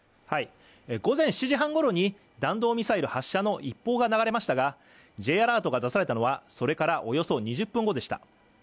午前７時半ごろに弾道ミサイル発射の一報が流れましたが、Ｊアラートが出されたのは、それからおよそ２０分後でした。